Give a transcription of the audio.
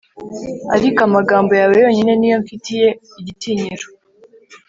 ariko amagambo yawe yonyine ni yo mfitiye igitinyiro